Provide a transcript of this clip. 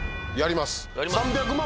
３００万